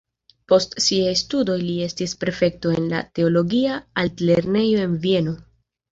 Post siaj studoj li estis prefekto en la teologia altlernejo en Vieno.